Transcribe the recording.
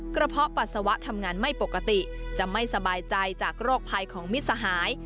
เพาะปัสสาวะทำงานไม่ปกติจะไม่สบายใจจากโรคภัยของมิตรสหาย